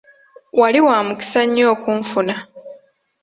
Wali wa mukisa nnyo okunfuna.